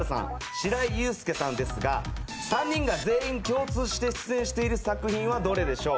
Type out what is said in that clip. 白井悠介さんですが３人が全員共通して出演している作品はどれでしょう？